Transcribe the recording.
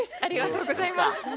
ありがとうございます。